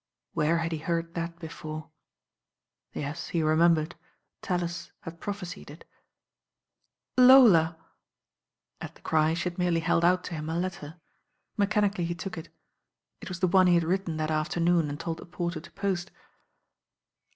Where had he heard that before? Yes, he remem bered, Tallis had prophesied it. THE DELUGE Ml "Lola I" At the cry she had merely held out to him a let ter. Mechanically he took it. It was the one he had written that afternoon and told the porter to pott.